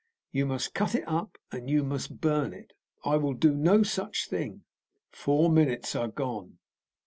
"You must cut it up, and you must burn it." "I will do no such thing." "Four minutes are gone."